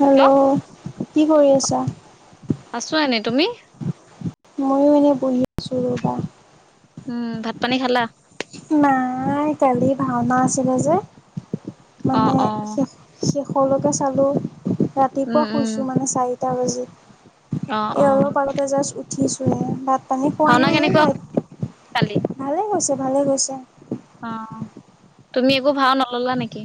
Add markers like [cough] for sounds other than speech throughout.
Hello কি কৰি আছা আছো এনি তুমি ময়ো এনেই বহি আছোঁ ৰ'বা উম ভাত পানী খালা নাই কালি ভাওনা আছিলে যে অ মানে অ শেষ শেষলৈকে চালো ৰাতিপুৱা উম উম শুইছো মানে চাই টা বাজ অ এই অ অলপ আগতে জাষ্ট উঠিছো হে তাত পানী পোৱা ভাওনা নাই কেনেকুৱা নাই কালি ভালে গৈছে ভালে গৈছে অ তুমি একো ভাও নললা নেকি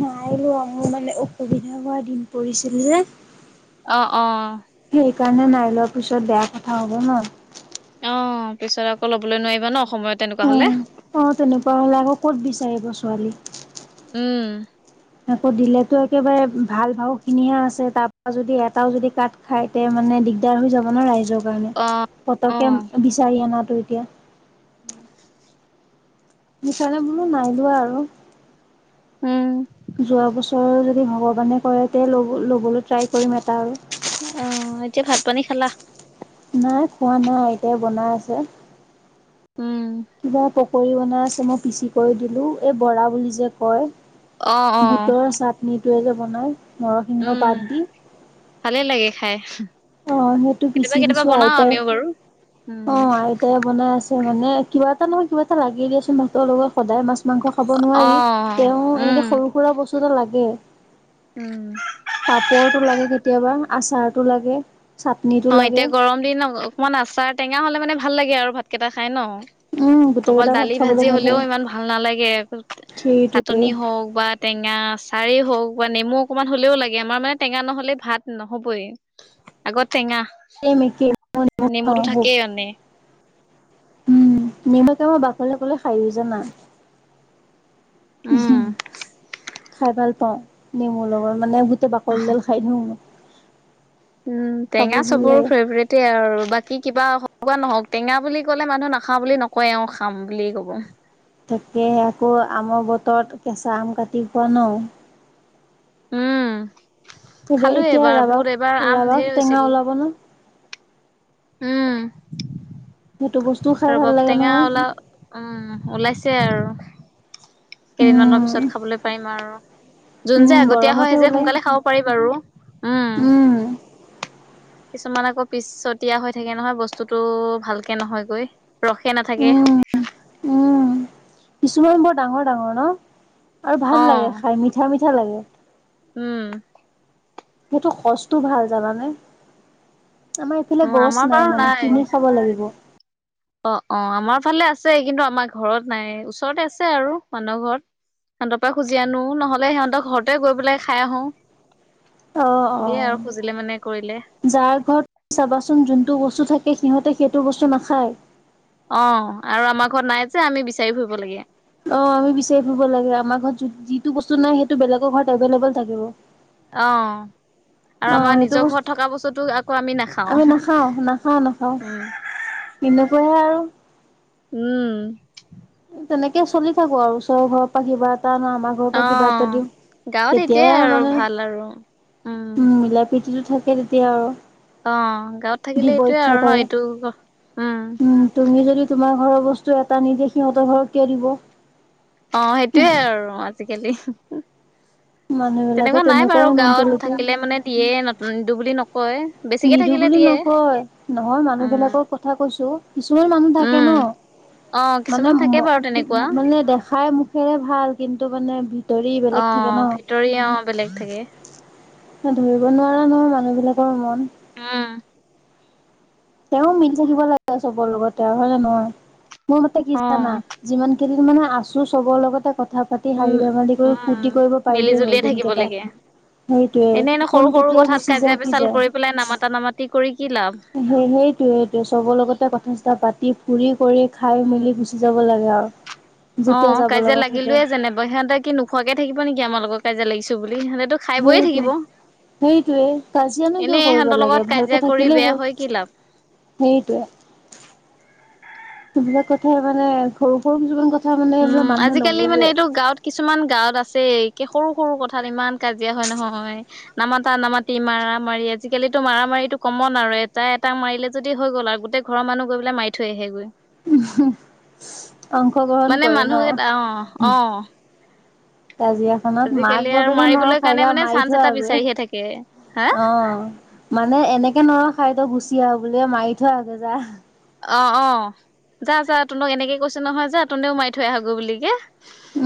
নাই ৰোৱা মোৰ মানে অসুবিধা হোৱা দিন পৰিছিল যে আহ অ সেইকাৰণে নাই লোৱা পিছত বেয়া কথা হ'ব ন। অ পিছত আকৌ লবলৈ নোৱাৰিবা ন। সময়ত তেনেকুৱা অ হলে অ তেনেকুৱা হলে আকৌ ক'ত বিচাৰিব ছোৱালী। উম আকৌ দিলেতো একেবাৰে ভাল ভাও খিনিহে আছে তাৰ পৰা যদি এটাও যদি কাঠ খাই তে মানে দিগদাৰ হৈ যাব ন ৰাইজৰ কাৰণে অ পতকে বিচাৰি অনাতো এতিয়া উম বিচাৰে বোলো নাই লোৱা আৰু উম যোৱা বছৰৰ যদি ভগৱানে কৰে তে ল' ল'বলৈ ট্ৰাই কৰিম এটা আৰু আহ এতিয়া ভাত পানী খালা। নাই খোৱা নাই এতিয়া বনাই আছে। উম কিবা পকী বনাই আছে মই পিচি কৰি দিলো এই বৰা বুলি যে কয় অ অ বুটৰ চাটনিটয়ে যে বনাই। নৰসিংহ উম পাত দি, ভালে লাগে খাই অ সেইটো কেতিয়াবা পিচি কেতিয়াবা দিছো বনাও আইতাই আমিও বাৰু উম অ আইতাই বনাই আছে মানে কিবা এটা নহয় কিবা এটা লাগি দিয়াচোন ভাতৰ লগত সদায় মাছ মাংস খাব অ নোৱাৰি তেওঁ উম এনেকৈ সৰু সুৰা বস্তু এটা লাগে উম পাপৰটো লাগে কেতিয়াবা আচাৰটো লাগে। চাটনিটো অ লাগে এতিয়া গৰম দিন অকমান আচাৰ টেঙা হলে মানে ভাল লাগে আৰু ভাতকেইটা খাই ন। উম গোটেই অকল কেইটা ভাত দালি খাবলৈ ভাজি ভাল হ'লেও হয় ইমান ভাল নালাগে সেইটোৱে চাটনি হওক বা টেঙা আচাৰেই হওক বা নেমু অকমান হ'লেও লাগে আমাৰ মানে টেঙা নহ'লে ভাত নহ'বই। আগত টেঙা চনে মিকি কে নেমুটো খওঁ বহুত। থাকেই মানে উম নিমখে মই বাকলৈ গলে খাৰও জানা উম খাই ভাল পাও নেমুৰ লগত মানে টো বাকলিডাল খাই দিওঁ উম খাব টেঙা ভাল চবৰ লাগে ফেভৰেট আৰু বাকী কিবা এনেকুৱা নহওক টেঙা বুলি কলে মানুহ নাখাওঁ বুলি নকয় আৰু খাম বুলিয়েই কব। থাকে আকৌ আমৰ বতৰত কেঁচা আম কাটি পোৱা নও উম এইবাৰ খালোয়ে এতিয়া এবাৰ ৰাবাব বহুত এবাৰ আম ৰাবাব ঢেৰ টেঙা হৈছিল ওলাব ন উম সেইটো বস্তুও খাই ভাল ৰবাব লাগে টেঙা নহয় ওলা উম ওলাইছে আৰু কেইদিনমানানৰ উম পিছত খাবলৈ পাৰিম আৰু যোন উম যে আগতীয়া হয় গৰমতহে সেই যে ওলাই সোনকালে খাব পাৰিম আৰু উম কিছুমান আকৌ পিছটীয়া হৈ থাকে নহয় বস্তুতটো ভালকে নহয়গৈ। ৰসে নাথাকে। উম উম কিছুমান বৰ ডাঙৰ ডাঙৰ ন। আৰু অ ভাল লাগে খাই মিঠা মিঠা লাগে। উম সেইটো কচটো ভাল জানানে আমাৰ ইফালে উ আমাৰ গছ নাই মানে কিনি খাব লাগিব। অহ অহ আমাৰ ফালে আছে কিন্তু আমাৰ ঘৰত নাই ওচৰতে আছে আৰু মানুহ ঘৰত। সিহঁতৰ পৰা খুজি আনো নহলে সিহঁতক ঘৰতে গৈ পেলাই খাই আহো। অ অ দিয়ে আৰু খুজিলে মানে কৰিলে যাৰ ঘৰত চাবাচোন যোনটো বস্তু থাকে সিহঁতে সেইটো বস্তু নাখায়। অহ আৰু আমাৰ ঘৰত নাই যে আমি বিচাৰি ফুৰিব লাগে। অহ আমি বিচাৰি ফুৰিব লাগে আমাৰ ঘৰত যিটো বস্তু নাই বেলেগৰ ঘৰত অভেলেবুল থাকিব। অহ আৰু অ আমাৰ সেইটো নিজৰ বস্তু ঘৰত থকা বস্তুতো আকৌ আমি নাখাওঁ আমি নাখাওঁ নাখাওঁ নাখাওঁ এনেকুৱাই আৰু উম তেনেকে চলি থাকো আৰু ওচৰ ঘৰৰ আশীৰ্বাদ তাৰপা আমাৰ ঘৰৰ পৰা কিবা এটা অ', দিওঁ গাঁৱত সেইটোয়ে তেতিয়াই আৰু মানে ভাল আৰু। উম মিলা প্ৰীতিতো থাকে তেতিয়া আৰু অ গাঁৱত থাকিলে দিব এইটোয়ে ইচ্ছা আৰু ন কৰে এইটো উম তুমি যদি তোমাৰ ঘৰৰ বস্তু এটা নিদিয়ে সিহঁতৰ ঘৰত কিয় দিব? অ সেইটোয়ে আৰু আজিকালি মানুহ বিলাকৰ তেনেকুৱা নাই তেনেকুৱাই বাৰু গাঁৱত মেণ্টেলিটি থাকিলে মানে দিয়ে নতুন নিদওঁ বুলি নক। নিৰু বুলি নকয় নহয় মানুহ উম, বিলাকৰ কথা কৈছো। কিছুমান মানুহ থাকে উম। ন অ', মানে কিছুমান থাকে বাৰু তেনেকুৱা মানে দেখাই মুখেৰে ভাল কিন্তু মানে ভিতৰি বেলেগ অ থাকে ন ভিতৰীয়া বেলেগ থাকে ধৰিব নোৱাৰা নহয় মানুহ বিলাকৰ মন আহ তেওঁ মিলি থাকিব লাগে চবৰ লগতে তেওঁ হয় নে নহয় মোৰ মতে কি জানা অ', যিমান সেইদিন মানে আছো চবৰ লগতে কথা কথা পাতি উম, হাঁহি ধেমালি কৰি উম, ফূৰ্তি কৰিব মিলি পাৰিলেই হ'ল জুলিয়ে থাকিব দিনকেইটাই লাগে। সেইটোয়ে এনে এনে সৰু কোন সৰু কেতিয়াই কথাত গুচি কাজিয়া যায় কি পেচাল যায় কৰি পেলাই নামাতা নামাতি কৰি কি লাভ। সেই সেইটো সেইটোৱে চবৰ লগতে কথা চথা পাতি ফুৰি কৰি খাই মেলি গুচি যাব লাগে আৰু অহ যেতিয়া যাব কাজিয়া লগা থাকে লাগিলোয়ে যেনেবা সিহঁতে কি নোখোৱাকে থাকিব নেকি আমাৰ লগত কাজিয়া লাগিছো বুলি। সিহঁতেতো খাই বই সেইটো থাকিব। সেইটোৱে কাজিয়ানো কিয় এনেই কৰিব ইহঁতৰ লাগে লগত ভালকে কাজিয়া কৰি থাকিলেই বেয়া হ'ল। হৈ কি লাভ। সেইটোয়ে সেইবিলাক কথা মানে সৰু সৰু কিছুমান কথা মানে এইবিলাক উম মানুহে আজিকালি মানে নুবুজে। এইটো গাঁৱত কিছুমান গাঁৱত আছেই সৰু সৰু কথাত ইমান কাজিয়া হয় নহয় নামাতা নামাতি মাৰা মাৰি আজিকালি মাৰ মাৰি এইটো কমন আৰু এটা এটাক মাৰিলে যদি হৈ গ'ল আৰু গোটেই ঘৰৰ মানুহ গৈ পেলে মাৰি থৈ আহেগৈ। অংশগ্ৰহণ মানে কৰে মানুহ ন। এটা অ অ কাজিয়াখনত মাক আজিকালি আৰু বাপেকে মাৰিবলৈ নৰখাই কাৰণে যা মানে মাৰি চান্স থৈ এটা আগে বিচাৰিহে থাকে হা অ মানে এনেকে নৰ খাইত গুচি আহ বুলিয মাৰি থৈ আগে যা অ অ যা যা তোনক এনেকে কৈছে নহয় যে তোনেও মাৰি থৈ আহোগে বুলি কে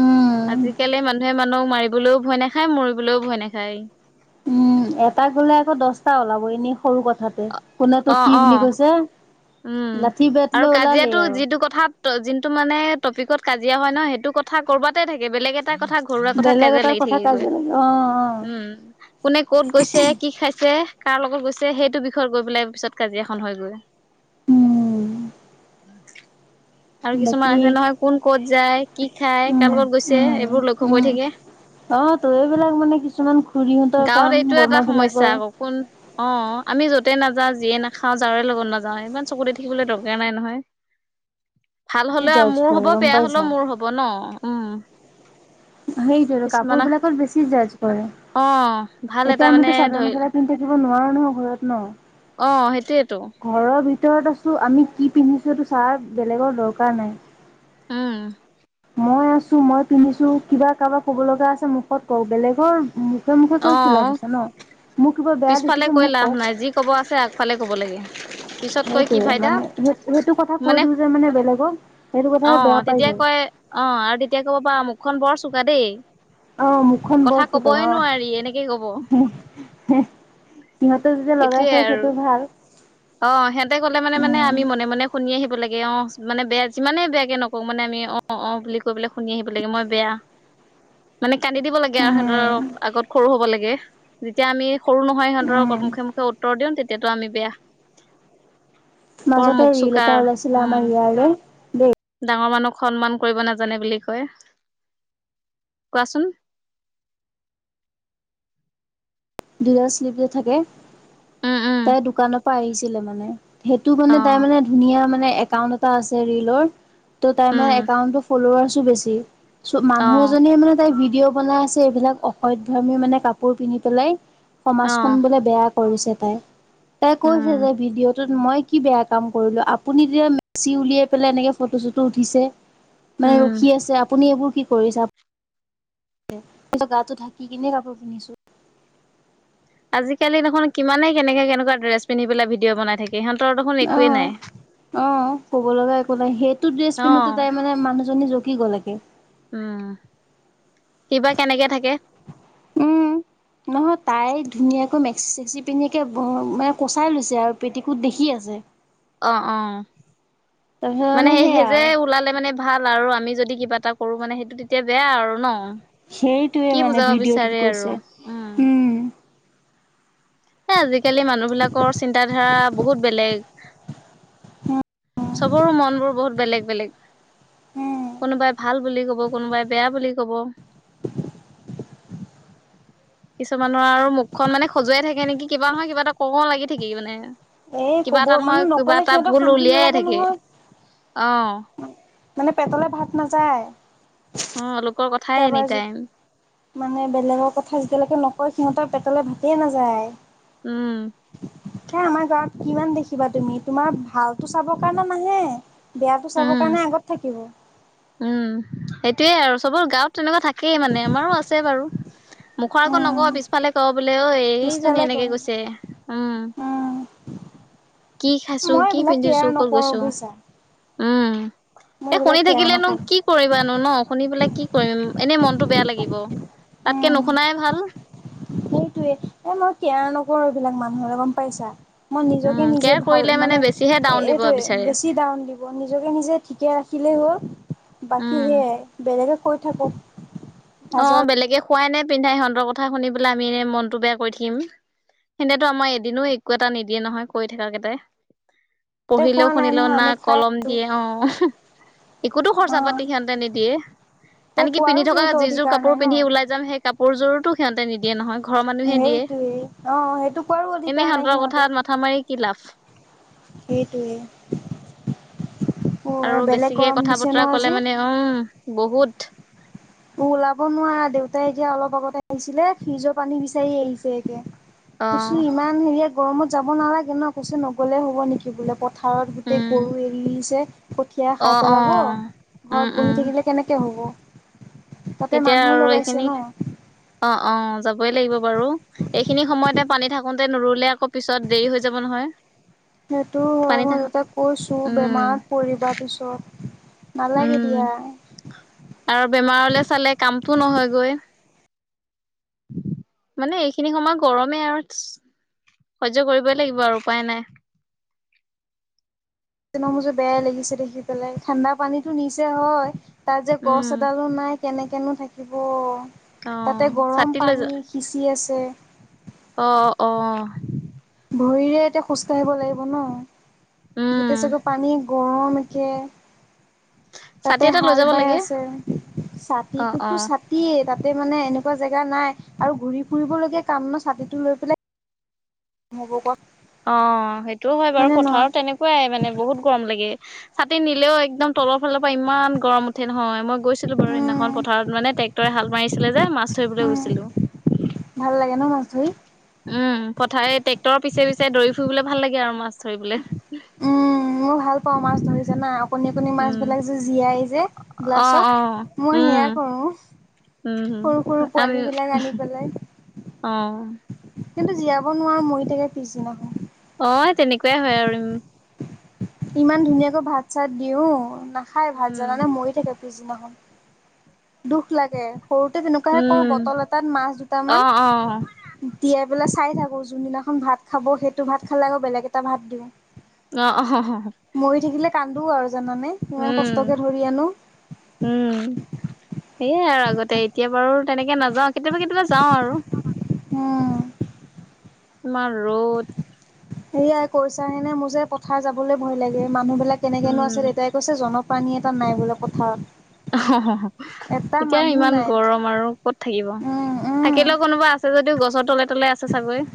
উম, আজিকালি মানুহে মানুহ মাৰিবলৈও ভয় নাখায় মৰিবলৈও ভয় নাখায় উম এটা গলে আকৌ দহটা ওলাব এনে সৰু কথাতে কোনে তো অ কি অ বুলি কৈছে উম লাঠি বেট আৰু লৈ ওলালেই কাজিয়াটো আৰু। যিটো কথাত যিটো মানে টপিকত কাজিয়া হয় ন সেইটো কথা কৰ'বাতে থাকে বেলেগ এটা কথা ঘৰুৱা কথাত বেলেগ কাজিয়া এটাৰ লাগি কথা থাকেগৈ কাজিয়া লাগে অ', অ', উম কোনে কত গৈছে কি খাইছে। কাৰ লগত গৈছে সেইটো বিষয়ত গৈ পেলাই পিছত কাজিয়াখন হৈ গৈ। উম উম আৰু কিছুমান বাকী আছে নহয় কোন কত যায় কি খাই উম, কাৰ লগত গৈছে উম, এইবোৰ লক্ষ্য কৰি উম। থাকে অ ত এইবিলাক মানে কিছুমান। খুৰীহঁতৰ গাঁৱত কাম এইটো এটা বৰমা সমস্যা বিলাকৰ আকৌ কোন অ আমি য'তে নাযাওঁ যিয়ে নাখাওঁ যাৰে লগত নাযাওঁ ইমান চকু দি থাকিবলৈ দৰকাৰ নাই নহয় উ ভাল হলেও মোৰ হব বেয়া হলেও মোৰ হব ন উম সেইটো কাপোৰ কিছুমানে বিলাকত বেছি জাজ কৰে। অ ভাল এটা এতিয়া মানে আমিতো চাদৰ ধৰি মেখেলা পিন্ধি থাকিব নোৱাৰো ন ঘৰত ন। অ সেইটোৱেইতো। ঘৰৰ ভিতৰত আছোঁ আমি কি পিন্ধিছোঁ এইটো ছাৰ বেলেগৰ দৰকাৰ নাই। উম। মই আছো মই পিন্ধিছো কিবা কাৰবাক ক'ব লগা আছে মুখত কওক বেলেগৰ। মুখে মুখে অ কৈ চিলাব আছে ন। মোক কিবা বেয়া পিছফালে দেখিছে কৈ মোক লাভ কওক। নাই যি ক'ব আছে আগফালে ক'ব লাগে পিছত কৈ কি সেইটোয়ে ফাইদা মানে সেই সেইটো কথা কৈ দিওঁ যে মানে বেলেগক সেইটো কথা অ বেয়া পাই তেতিয়া যায়। কয়, অ আৰু তেতিয়া ক'ব পাৰা মুখখন বৰ চোকা দেই। অ', মুখখন বৰ কথা চোকা কবই অ'। নোৱাৰি এনেকে কব। সিহঁতে যেতিয়া লগাই সেইটোয়ে থয় আৰু সেইটো ভাল। অ সিহঁতে কলে মানে মানে উম। আমি মনে মনে শুনি আহি লাগে অ মানে বেয়া যিমানে বেয়াকে নকওঁক মানে আমি অ অ বুলি কৈ পেলাই শুনি আহিব লাগে মই বেয়া। মানে কান্দি দিব লাগে আৰু সিহঁতৰ উম, আগত সৰু হ'ব লাগে যেতিয়া আমি সৰু নহয় সিহঁতৰক মুখে উম। মুখে উত্তৰ দিওঁ তেতিয়াতটো আমি বেয়া। বৰ মাজতে মুখ ৰিল চোকা এটা ওলাইছিলে উম আমাৰ ইয়াৰ আৰু দেই। ডাঙৰ মানুহক সন্মান কৰিব নাজানে বুলি কয়। কোৱাচোন আ [unintelligible] দুটা শ্লিপ যে থাকে উম উম তাই দোকানৰ পৰা আহিছিলে মানে। সেইটো মানে অ তাই মানে ধুনীয়া মানে একাউণ্ট এটা আছে ৰিলৰ ত তাই মানে উম একাউণ্টটো ফল্লোৱাৰ্ছ বেছি অ মানুহ এ মানে তাই ভিড বনাই আছে এইবিলাক অসচধৰ্মী মানে কাপোৰ পিন্ধি পেলাই অ সমাজখন বোলে বেয়া কৰিছে তাই তাই উম কৈছে যে ভিডিঅ'টোত মই কি বেয়া কাম কৰিলো আপুনি তেতিয়া মেচি উলিয়াই পেলাই এনেকে ফটো চটো উঠিছে মানে উম ৰখি আছে আপুনি এইবোৰ কি কৰিছে কি গাটো ঢাকি কিনে কাপোৰ পিন্ধিছো। আজিকালি দেখুন কিমানে কেনেকে কেনেকুৱা ড্ৰেছ পিন্ধি পেলাই ভিডিঅ' বনাই থাকে সিহঁতৰ দেখোন অ একোৱে নাই। অ ক'ব লগা একো নাই সেইটো ড্ৰেছ পিন্ধোতে অ', তাই মানে মানুহজনী কি কলেগে উম কিবা কেনেকে থাকে। উম নহয় তাই ধুনীয়াকৈ মেক্সি চেক্সি পিন্ধে মানে কচাই লৈছে আৰু পেটিকোত দেখি আছে অহ অ তাৰপিছত মানে সেই সেয়া সেই যে আৰু ওলালে মানে ভাল আৰু আমি যদি কিবা এটা কৰো মানে সেইটো তেতিয়া বেয়া আৰু ন সেইটোৱে কি মানে বুজাব ভিডিঅ'টোত বিচাৰে আৰু কৈছে উম। এ আজিকালি মানুহ বিলাকৰ চিন্তা ধাৰা বহুত বেলেগ। চবৰো মনবোৰ বহুত বেলেগ বেলেগ। কোনোবাই ভাল বুলি কব কোনোবাই বেয়া বুলি কব। কিছুমানৰ আৰু মুখখনন মানে খজুৱাই থাকে থাকে নেকি কিবা নহয় কিবা এটা কওঁ লাগি থাকে মানে। এই কিবা ক'ব এটা নহয় মানে কিবা নক'লে এটা সিহঁতক ভুল শান্তি উলিয়াই নালাগে থাকে নহয় অ। মানে পেটলে ভাত নাযায় অ', লোকৰ কথাই এনি কাৰবাৰ টাইম মানে বেলেগৰ কথা যেতিয়ালৈকে নক নকয় সিহঁতৰ পেটলৈ ভাতে নাযায় উম। হ আমাৰ ঘৰত কিমান দেখিবা তুমি তোমাৰ ভালতো চাবৰ কাৰণে নাহে বেয়াটো চাবৰ উম। কাৰণে আগত থাকিব। উম, সেইটোয়ে আৰু চবৰ গাৱত তেনেকুৱা থাকেই মানে আমাৰো আছে বাৰু। মুখৰ আকৌ নকও উম পিছফালে ক বোলে ঐ এইজনী পিছফালে এনেকে গৈ কৈছে উম, কি খাইছো মই কি এইবিলাক কেয়াৰ পিন্ধিছো ক'ত গৈছো উম, মোৰ এইবিলাক কেয়াৰ লাগিলেনো নকৰোঁ। কি কৰিবানো ন শুনি পেলাই কি কৰিম। এনেই মনতটো বেয়া লাগিব তাতকে উম নুশুনাই ভাল। সেইটোৱে এ মই কেয়াৰ নকৰো এইবিলাক মানুহলে গম পাইছা। মই উম, নিজকে নিজে কেয়াৰ ভাল কৰিলে মানে বেছিহে ডাউন দিব এইটোৱে বিচাৰে। বেছি ডউন দিব নিজকে নিজে ঠিকে ৰাখি হ'ল উম, বাকী সেয়াই বেলেগে কৈ থাকক অ হাজৰ বেলেগে খোৱাই নে পিন্ধাই সিহঁতৰ কথা শুনি পেলাই আমি এনে মনটো বেয়া কৰি থাকিম। হেতেটো আমাৰ এদিনো একো এটা নিদিয়ে নহয় কৈ থকা কেইটাই তাতে পঢ়িলেও খোৱা নাই শুনিলেও নহয় না আমি খাই কলম আছো দিয়ে অ একোতো অ খৰচা পাতি সিহঁতে নিদিয়ে তে আনকি পিন্ধি কোৱাৰো থকা সিহঁতৰ যি যোৰ অধিকাৰ কাপোৰ নাই ন পিন্ধি উলাই যাম সেই কাপোৰযোৰতো সিহতে নিদিয়ে নহয়। ঘৰৰ মানুহে দিয়ে সেইটোৱে অ সেইটো কোৱাৰো এনে অধিকাৰ নাই সিহঁতৰ সিহঁতে কথাত মাথা মাৰি কি লাভ। সেইটোৱে অ আৰু বেলেগ বেছিকে গৰম কথা দিছে ন বতৰা আজি কলে মানে উম বহুত ওলাব নোৱাৰা দেউতাই এতিয়া অলপ আগতে আহিছিলে ফ্ৰিজৰ পানী বিচাৰি আহিছে এতিয়া। অ কৈছে ইমান হেৰিয়া গৰমত যাব নালাগে ন কছে নগলে হ'ব নেকি বোলে প পথাৰত গোটেই উম গৰু এলিছে কঠীয়া অ খাই অ পেলাব উম ঘৰত উম বহি থাকিলে কেনেকে হ'ব তাতে এতিয়া মানুহ আৰু লগাইছে এইখিনি, ন অ অ যাব লাগিব বাৰু এইখিনি সময়তে পানী থাকোতে নুৰুলে আকৌ পিছত দেৰি হৈ যাব নহয়। সেইটো হয় পানী মই থাক দেউতাক কৈছো উম বেমাৰত পৰিবা পিছত। নালাগে দিয়া। উম, আৰু বেমাৰলে চালে কামটো নহয়গৈ মানে এইখিনি সময় গৰমে আৰু সহ্য কৰিবই লাগিব আৰু উপায় নাই [unintelligible] মোৰ বেয়াই লাগিছে দেখি পেলাই ঠাণ্ডা পানীতো নিচে হয় তাত যে গছ উম এডালো নাই কেনেকৈনো থাকিব অ তাতে গৰম ছাতি লৈ যা পানী সিচি আছে। অ অ ভৰিৰে এতিয়া খোজ কাঢ়িব লাগিব ন উম গোটেই চাগে পানী গৰম একে ছাতি তাতে এটা লৈ হাল যাব বাই লাগে আছে অ অ ছাতিটোতো ছাতিয়ে তাতে মানে এনেকুৱা জেগা নাই আৰু ঘূৰি ফুৰিবলগীয়া কাম ন ছাতিটো লৈ পেলাই হ'ব কওক অ সেইটোও হয় বাৰু পথাৰত তেনেকুৱাই মানে বহুত গৰম লাগে ছাতি নিলেও একদম তলৰ ফালৰ পৰা ইমান গৰম উঠে নহয় মই গৈছো ছিলো বাৰু সেইদিনাখন উম পথাৰত মানে ট্ৰেক্টৰে হাল মাৰিছিলে যে মাছ ধৰিবলৈ উম গৈছিলো ভাল লাগে ন মাছ ধৰি? উম পথাৰে ট্ৰেক্টৰৰ পিছে পিছে দৌৰি ফুৰিবলৈ ভাল লাগে আৰু মাছ ধৰিবলৈ উম মোৰ ভাল পাওঁ মাছ ধৰি জানা, অকণী অকনি উম মাছবিলাক যে জীয়াই যে অ অ গ্লাছত মই উম সেয়া কৰো উম সৰু হম সৰু আমি পোৱালী বিলাক আনি পেলাই অ কিন্তু জীয়াব নোৱাৰো মৰি থাকে পিছদিনাখন অ তেনেকুৱাই হয় আৰু ইমান ধুনীয়াকৈ ভাত চাত দিও নাখায় ভাত উম জানানে মৰি থাকে পিছদিনাখন। দুখ লাগে সৰুতে উম তেনেকুৱাহে কৰো উম বটল এটাত মাছ অ দুটামান অ তিয়াই পেলাই চাই থাকো যোনবিলাক খন ভাত খাব সেইটো ভাত খালে আকৌ বেলেগ এটা ভাত দিওঁ। অ অ হ মৰি থাকিলে কান্দো আৰু জানানে ইমান কষ্টকে ধৰি আনো সেইয়াই আৰু আগতে এতিয়া বাৰু তেনেকে নাযাওঁ কেতিয়াবা কেতিয়াবা যাওঁ আৰু উম। ইমান ৰদ সেয়াই কৈছা হেনে মোৰ যে পথাৰ যাবলৈ ভয় লাগে মানুহ বিলাক কেনেকেনো আছে। উম দেতাই কৈছে জনক পানী এটা নাই বোলে পথাৰত অ এটা এতিয়া মানুহ ইমান নাই গৰম আৰু ক'ত থাকিব উম উম থাকিলেও কোনোবা আছে যদিও গছৰ তলে তলে আছে চাগৈ